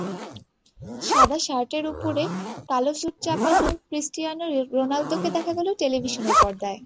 সাদা শার্টের ওপর কালো স্যুট চাপানো ক্রিস্টিয়ানো রোনালদোকে দেখা গেল টেলিভিশনের পর্দায়।